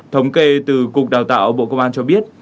thống kê từ cục đào tạo bộ công an cho biết